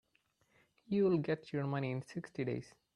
You'll get your money in sixty days.